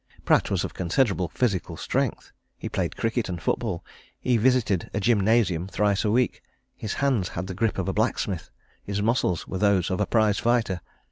Pratt was of considerable physical strength. He played cricket and football; he visited a gymnasium thrice a week. His hands had the grip of a blacksmith; his muscles were those of a prize fighter.